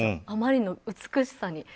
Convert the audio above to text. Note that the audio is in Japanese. あまりの美しさに。